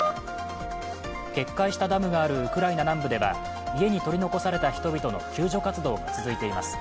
決壊したダムがあるウクライナ南部では家に取り残された人々の救助活動が続いています。